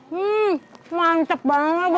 hmm mantap banget bu